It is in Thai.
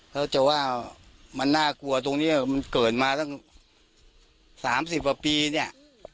เขาจะว่ามันน่ากลัวตรงเนี้ยมันเกิดมาตั้งสามสิบประปีเนี้ย